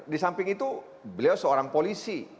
di samping itu beliau seorang polisi